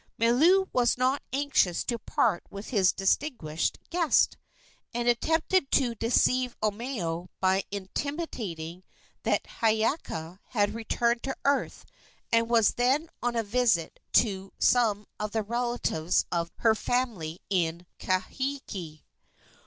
Milu was not anxious to part with his distinguished guest, and attempted to deceive Omeo by intimating that Hiiaka had returned to earth and was then on a visit to some of the relatives of her family in Kahiki.